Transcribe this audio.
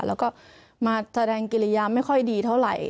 แล้วก็มาแสดงกิริยาไม่ค่อยดีเท่าไหร่